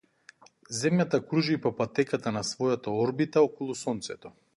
Земјата кружи по патеката на својата орбита околу сонцето.